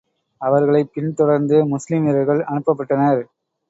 அவர்களைப் பின் தொடர்ந்து முஸ்லிம் வீரர்கள் அனுப்பப்பட்டனர்.